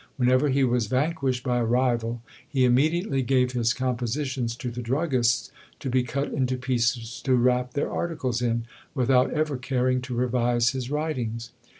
Whenever he was vanquished by a rival, he immediately gave his compositions to the druggists to be cut into pieces to wrap their articles in, without ever caring to revise his writings.